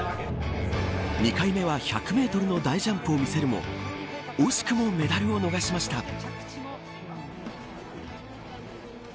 ２回目は１００メートルの大ジャンプを見せるも惜しくもメダルを逃しました。